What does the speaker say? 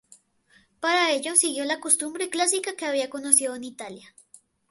Para ello siguió la costumbre clásica que había conocido en Italia.